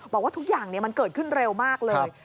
บอกว่าทุกอย่างมันเกิดขึ้นเร็วมากเลย